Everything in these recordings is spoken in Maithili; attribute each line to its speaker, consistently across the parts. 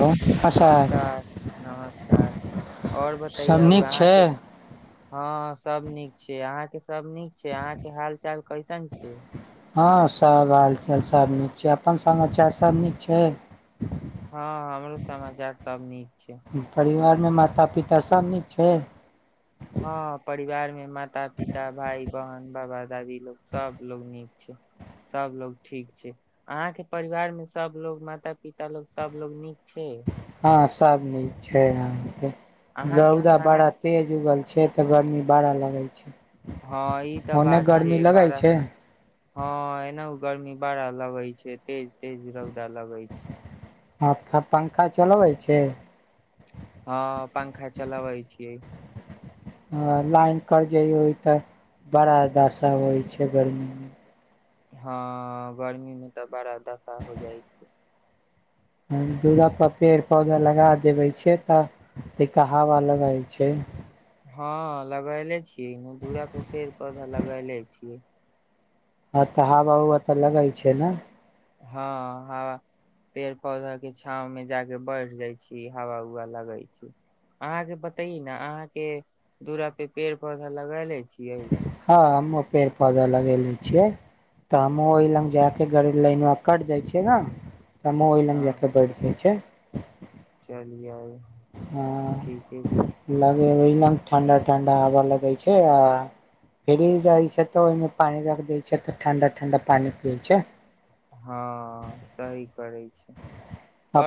Speaker 1: हँ सर
Speaker 2: नमस्कार नमस्कार आओर
Speaker 1: सब
Speaker 2: बतैयउ
Speaker 1: नीक
Speaker 2: अहाँके
Speaker 1: छै
Speaker 2: हँ सब नीक छै अहाँके सब नीक छै अहाँके हाल चाल कैसन छै
Speaker 1: हँ सब हालचाल सब नीक छै अपन समाचार सब नीक छै
Speaker 2: हँ हमरो समाचार सब नीक छै
Speaker 1: परिवार माता पिता सब नीक छै
Speaker 2: हँ परिवार मे माता पिता भाइ बहन बाबा दादी लोग सब लोग नीक छै सब लोग ठीक छै अहाँ के परिवार मे सब लोग माता पिता लोग सब लोग नीक छै
Speaker 1: हँ सब नीक छै अहाँके
Speaker 2: अहाँके
Speaker 1: रौदा
Speaker 2: खाना
Speaker 1: बड़ा तेज उगल छै तऽ गर्मी बड़ा लगै छै
Speaker 2: हँ ई तऽ
Speaker 1: ओने
Speaker 2: बात छै
Speaker 1: गर्मी लगै
Speaker 2: बारा
Speaker 1: छै
Speaker 2: हँ एना गरमी बड़ा लगई छै तेज तेज रौदा लगई छै
Speaker 1: हँ तऽ पंखा चलबै छी
Speaker 2: हँ पंखा चलाबै छी
Speaker 1: हँ लाइन कट जइौ तऽ बड़ादाशा होइ छै गर्मीमे
Speaker 2: हँ गर्मीमे तऽ बड़ा दशा हो जाइ छै
Speaker 1: दुूरापर पेड़ पौधा लगा देबे छै तऽ नीक हवा लगै छै
Speaker 2: हँ लगैे छी दुरा पर पेड़ पौधा लगा ले छियै
Speaker 1: हँ तऽ हवा उवा तऽ लगै छै ने
Speaker 2: [unintelligible]
Speaker 1: [unintelligible] [unintelligible]
Speaker 2: हँ
Speaker 1: [unintelligible]
Speaker 2: [unintelligible]
Speaker 1: ह
Speaker 2: ठीके छै
Speaker 1: लगेबै [unintelligible]
Speaker 2: हँ सही करै छी
Speaker 1: [unintelligible]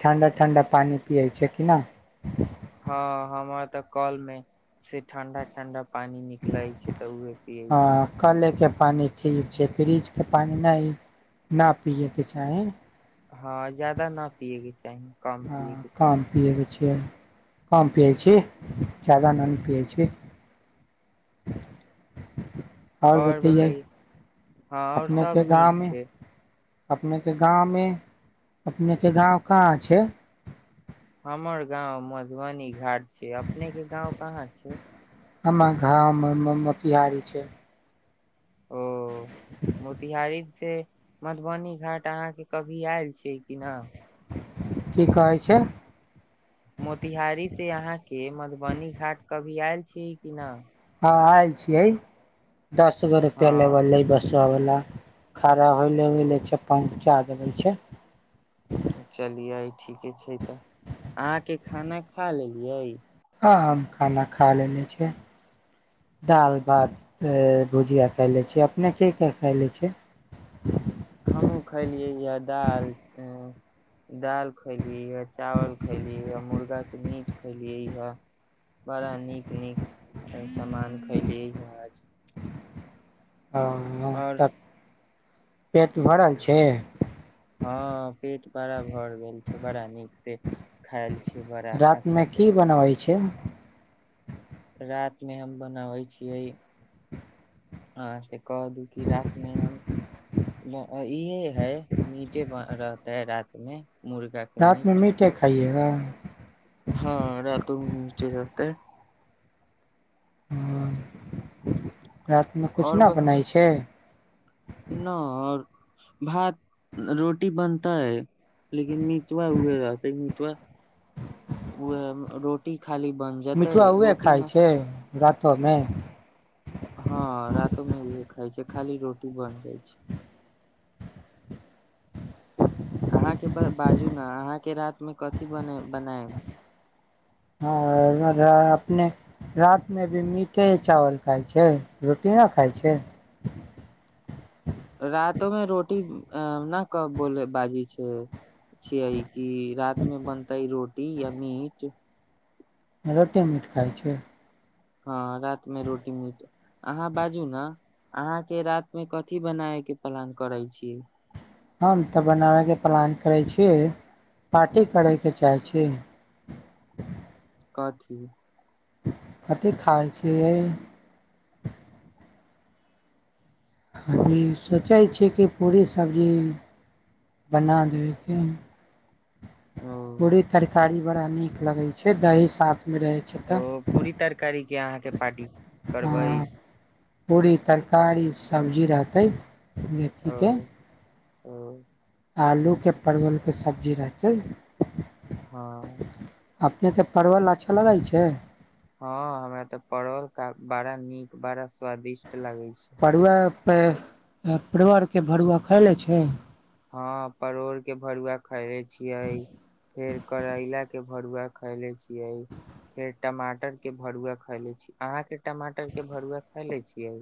Speaker 1: ठण्डा ठण्डा पानि पियै छै कि नहि
Speaker 2: हँ हमर तऽ कल मे से ठंडा ठंडा पानि निकलै छै तऽ उहै पियै छियै
Speaker 1: पानि ठीक छै फ्रिज के पानि नहि न पियै के चाही
Speaker 2: हँ ज्यादा न पियै के चाही कम
Speaker 1: हँ
Speaker 2: पिये के चाही
Speaker 1: कम पीयै के चाही हम पियै छी ज्यादा नन्
Speaker 2: ह
Speaker 1: पियै छी [inaudible]
Speaker 2: आओर
Speaker 1: बतैयै
Speaker 2: बताइ हँ आओर
Speaker 1: अपनेके
Speaker 2: सब नीक
Speaker 1: गाँवमे
Speaker 2: छै
Speaker 1: अपनेके गाँवमे अपनेके गाँव कहाँ छै
Speaker 2: हमर गाँंव मधुबनी घाट छै अपनेके गाँव कहाँ छै
Speaker 1: हमर गांव मोतिहारी छै
Speaker 2: ओ मोतिहारी से मधुबनी घाट अहाँके कभी आएल छियै की न
Speaker 1: की कहै छै
Speaker 2: मोतिहारी से अहाँके मधुबनी घाट कभी आयल छियै की न
Speaker 1: हँ आएल छियै दस गो रुपआ लेब
Speaker 2: हँ
Speaker 1: लै बस आबल ला खड़ा होई
Speaker 2: ओ
Speaker 1: ला-ला छै पाँच चार लगै छै
Speaker 2: [unintelligible]
Speaker 1: हँ हम खाना खा लेने छी। दाल भात छय भुजिया खाइ लै छै अपने की खाइल लै छै
Speaker 2: हमहहुँ खैलियै य दाल दाल खैलियै। चावल खैली य मुर्गा मीट खैलियै हे बड़ा नीक -नीक सामान खलियै ह आज।
Speaker 1: ह
Speaker 2: आओर
Speaker 1: त
Speaker 2: हँ पेट बड़ा भर गेल छै बड़ा नीकसँ खायल छै बड़ा अच्छा
Speaker 1: रातिमे
Speaker 2: से
Speaker 1: की
Speaker 2: ख
Speaker 1: बनबै छै
Speaker 2: रात मे हम बनाबै छियै आ से कह दू कि रात मे हम इहे है मीटे रहते है रात में।
Speaker 1: रात में मीटे खाइए। वाह
Speaker 2: हँ रातो मिटे रहतै।
Speaker 1: हँ रतिमे
Speaker 2: आओर
Speaker 1: किछु नहि बनाइ छै।
Speaker 2: न अओर भात रोटी बनतै। लेकिन मिटवा उह रहतै मिटवा ओएह रोटी खाली बन जेतै
Speaker 1: मिठुआ उहे
Speaker 2: रोटी
Speaker 1: खाय
Speaker 2: मे
Speaker 1: छै रातो में
Speaker 2: हँ रतमे यहे खाय छै खाली रोटी बन जाइ छै।
Speaker 1: ह
Speaker 2: अहाँके बाजू ने अहाँके राति मे कथी बने बनायब।
Speaker 1: हां रात में रात में भी मीटे चावल खाइ छै, रोटी नहि खाइ छै।
Speaker 2: रतोमे रोटी अ न बोल बाजी छै छीयै की रात में बनतै रोटी या मीट
Speaker 1: रोटी मीट खाइ छै
Speaker 2: हँ राति मे रोटी मीट, अहाँ बाजू ने अहाँके रात मे कथी बनाय के प्लान करै छी।
Speaker 1: हम तऽ बनाबयके प्लान करै छी पार्टी करयके चाहै छी।
Speaker 2: काथी
Speaker 1: कथी खाइ छियै। अभी सोचै छियै कि पूरी सब्जी। बना लिय की
Speaker 2: ओ
Speaker 1: पूरी-तरकारी। बड़ा नीक लगे छै दही साथ। रहै छै तऽ
Speaker 2: किया अहाँके पार्टी करबै।
Speaker 1: हँ पूरी तरकारी सबजी रहतै मेथी
Speaker 2: ओ
Speaker 1: के
Speaker 2: ओ
Speaker 1: आलूके परवलके सब्जी रहतै
Speaker 2: हँ
Speaker 1: अपनेके परवल अच्छा लगै छै
Speaker 2: हँ हमरा तऽ परबल बड़ा नीक बड़ा स्वादिष्ट लागै छै
Speaker 1: प परवरके भरुआ खाय लै छै
Speaker 2: हँ परोड़ के भरुआ खैले छियै फेर करैला के भरुआ खैले छियै फेर टमाटर के भरुआ खायले छीयै अहाँके टमाटर के भरुआ खा ले छियै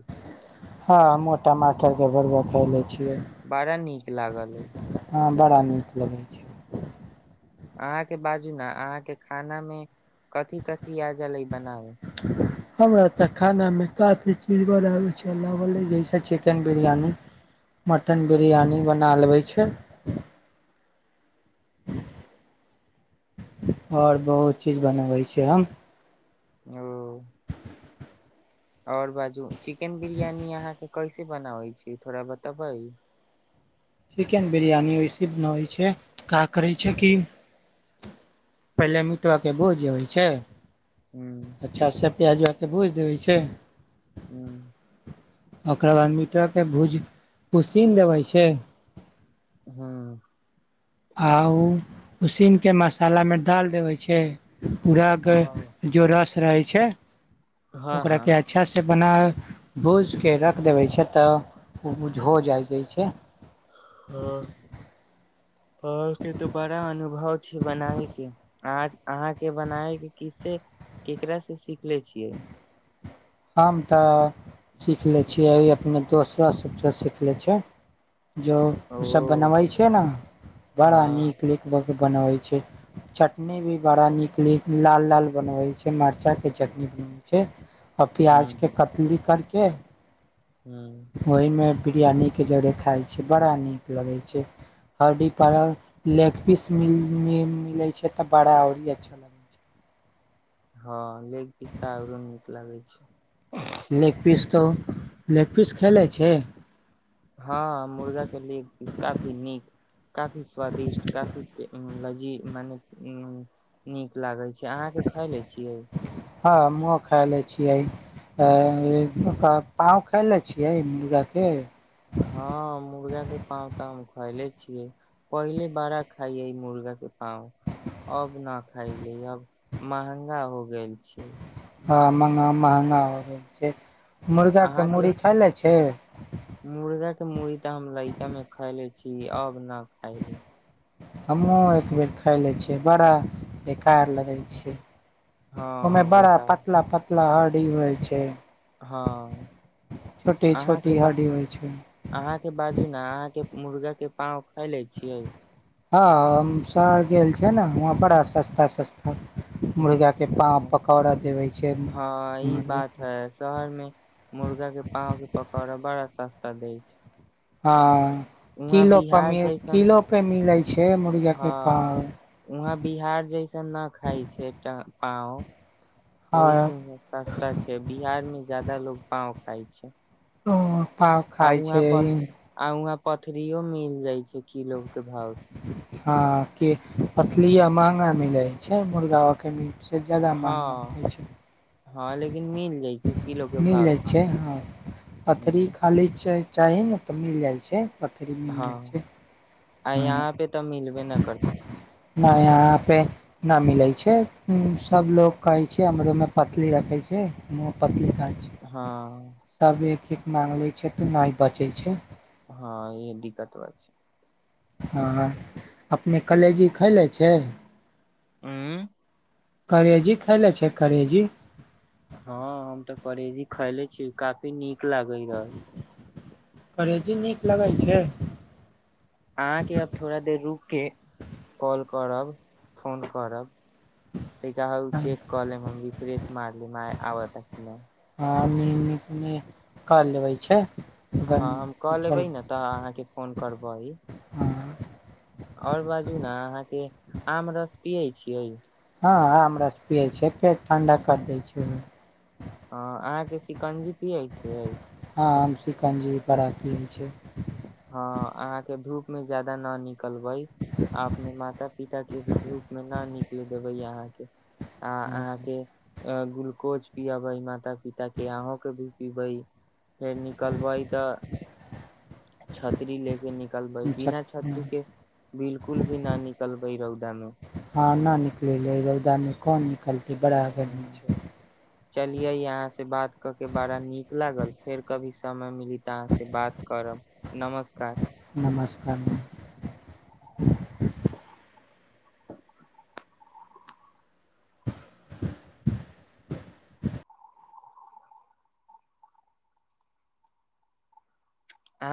Speaker 1: खालै
Speaker 2: बड़ा नीक लागल अ
Speaker 1: हँ बड़ा नीक लगै छै
Speaker 2: अहाँके बाजू ने अहाँके खाना मे कथि कथि तियाजा लै बनाब
Speaker 1: हमरा तऽ खानामे काफी चीज बनाबै छै जैसे चिकेन बिरयानी मटन बिरयानी बना लेबै छै [inaudible] ओर बहुत चीज बनबै छी हम
Speaker 2: ओ आओर बाजू चिकेन बिरियानी अहाँके कैसे बनाबै छी थोड़ा बतेबै
Speaker 1: चिकेन बिरियानी वैस नहि होइ छै क करै छै कि पहिले मिटआ के भोज होबै छै
Speaker 2: हूँ
Speaker 1: अच्छा से पि्याज आके भुजि देबै छै
Speaker 2: हँ
Speaker 1: ओकर बाद मिट के भूज उसीन देबै छै
Speaker 2: हँ
Speaker 1: आ ओ उसीनकेऽ मसालामे डालि देबै छै पूरााके
Speaker 2: हँ
Speaker 1: जो रस रहै छै
Speaker 2: हँ हँ
Speaker 1: ओकरा के अच्छा से बना भूजिक रख देबै छै तऽ ओ हो जाइ छै
Speaker 2: हँ आ फ तऽ बड़ा अनुभव भाव छै बनाबैके अहाँ के बनाय के किसे केकराास से सीखले छियै
Speaker 1: हम तऽ सीख लै छियै अपने दोसरो सभसँ सीख लै छै जो
Speaker 2: ओ
Speaker 1: सब बनबै छै ने बड़ा
Speaker 2: हँ
Speaker 1: नीक ल बनबै छै चटनी भी बड़ा नीक ल लाल लाल बनबै छै मरचा के चटनी बन छै आ
Speaker 2: हूँ
Speaker 1: प्याज के
Speaker 2: हूँ
Speaker 1: कतली करके
Speaker 2: हूँ
Speaker 1: के ओहिमे बिरयानीके जरे खाइ छियै बड़ा नीक लगै छै हड्डीतऽ लैग पीस मिलै छै तऽ बड़ा आओर ही अच्छा लगै छै
Speaker 2: हँ लेग पिस त आरो नीक लागै छै
Speaker 1: लैग पीस तऽ लैग पीस खेलै छै
Speaker 2: हँ मुर्गा के लेग पीस काफी नीक जी मने उ नीक लागै छै अहाँके खाय ले छियै।
Speaker 1: हँ हमहो खाय ले छियै प खाय ले छियै मुर्गा के
Speaker 2: हँ मुर्गा दे पउतमक खैले छियै पहिले बारा खाइय मुर्गा के पांउ अब न खायले अब महंगा हो गेल छै
Speaker 1: हँ म् म महगा होय गेल छै। मुर्गा के मूड़ी खाय ले छै।
Speaker 2: मुर्गाे मुरी तऽ हम लड़का मे खैले छी अब न खायली
Speaker 1: हमहुँ एक बेर खाय ले छियै बड़ा बेकार लगै छै। ओमे
Speaker 2: हँ
Speaker 1: बड़ा
Speaker 2: बेकार
Speaker 1: पतला पतला ह स होइ छै।
Speaker 2: हँ
Speaker 1: छोटी
Speaker 2: अहाँके
Speaker 1: छोटी
Speaker 2: ब
Speaker 1: हड्डी होइ छै
Speaker 2: अहाँके बाजू ने अहाँके मुर्गा के पाँव खाय ले छियै
Speaker 1: हँ हम शहर गेल छ ने वहा बड़ा सस्ता -सस्ता मुर्गा
Speaker 2: ह हँ ई बात
Speaker 1: मुर्गाके
Speaker 2: है शहर में मुर्गा के पाँव के पकौड़ा बड़ा सस्ता त द छै
Speaker 1: हँ
Speaker 2: वहाँ
Speaker 1: किलो पर
Speaker 2: बिहार
Speaker 1: मिल
Speaker 2: जैसन
Speaker 1: किलो पे मिलै छै मुर्गाके
Speaker 2: हँ
Speaker 1: पाव
Speaker 2: वहाँ बिहार जैसन न खाइ छै टां आ ओहि
Speaker 1: हँ
Speaker 2: से सस्ता छै बिहार में जादा लोग पांव खाइ छै
Speaker 1: ओ हां
Speaker 2: आ
Speaker 1: खाय
Speaker 2: वहाँ
Speaker 1: छै
Speaker 2: पथ आ वहाँ पथरियो मिल जाय छै कीलो के भाव से
Speaker 1: हाँ के पतलिया महगा मिलय छै मुर्गां अखन नइ छै बड़ा महंगा
Speaker 2: हँ
Speaker 1: मिलै छै,
Speaker 2: हँ लेकिन मिल जाइ छै किलो के भाव
Speaker 1: मिलै
Speaker 2: से
Speaker 1: छै हँ पथरि
Speaker 2: ह
Speaker 1: खा लय छै चाही ने तऽ मिल जाइ छै पथरी मिलै
Speaker 2: हँ
Speaker 1: छै
Speaker 2: आ
Speaker 1: ह
Speaker 2: यहाँ पे मिलबे न करते
Speaker 1: नहि यहाँ पे न मिलै छै सबलोग कहै छै हमरमे पतली रखै छै पतली
Speaker 2: हँ
Speaker 1: सब एक माँग लै छै तऽ नहि बचै छै
Speaker 2: हँ ई दिक्कत बात छै
Speaker 1: हँ अपने कलेजी खयले छै
Speaker 2: हूँ
Speaker 1: कलेजीक खनै छीयै करेजी
Speaker 2: हँ हम तऽ करेजी खैले छी काफी नीक लागै य
Speaker 1: करेजी नीक लगै छै
Speaker 2: अहाँके अब थोड़ा देर रुक के काँल करब फोन करब तऽ कह ह उ
Speaker 1: हँ,
Speaker 2: चेक कल रिफ्रेेश मारल माय आब त कि नहि
Speaker 1: कर लेबै छै
Speaker 2: हँ हम कऽ
Speaker 1: गर्मी चल
Speaker 2: लेबै ने तऽ अहाँके फोन करबै।
Speaker 1: हँ
Speaker 2: आओर बाजू ने अहाँके आम रस पियै छियै।
Speaker 1: हँ आम रस पियै छै पेट ठण्डा करि दै छैय।
Speaker 2: हँ अहाँके शिकंजी पियै छियै।
Speaker 1: हम सिकंजी बड़ा पियै छीयै।
Speaker 2: हँ अहाँ के धूप में ज्यदा न निक निकलबई अपने माता-पिता के भी धूप मे न निक देबैयऽ यहाँके आ अहाँ के अ गुलकोज पिआबइ माता पिता के अहूके भी बई फेर निकलबई तऽ छतरी ले के निकलबई बिना छतरी के बिलकुल भी ना निकलबई रौदा में।
Speaker 1: हँ न निकले रौदा मे कोन निकलतै कि बड़ा गर्मी छै।
Speaker 2: चलिये अहाँ से बात क के बड़ा नीक लागल फेर कभी समय मिली अहाँ से बात करब नमस्कार
Speaker 1: नमस्कार
Speaker 2: अहाँ